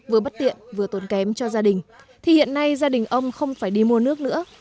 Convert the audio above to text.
vừa bất tiện vừa tốn kém cho gia đình thì hiện nay gia đình ông không phải đi mua nước nữa